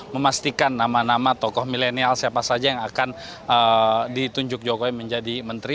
memastikan nama nama tokoh milenial siapa saja yang akan ditunjuk jokowi menjadi menteri